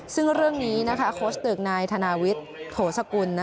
ซึ่งเรื่องนี้โค้ชตึกนายธนาวิทย์โถสกุล